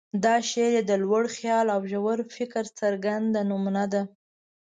دا شعر یې د لوړ خیال او ژور فکر څرګنده نمونه ده.